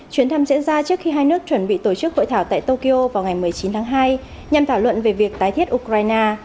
chuyến thăm diễn ra trước khi hai nước chuẩn bị tổ chức hội thảo tại tokyo vào ngày một mươi chín tháng hai nhằm thảo luận về việc tái thiết ukraine